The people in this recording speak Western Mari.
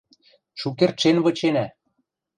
Шукердшен выченӓ!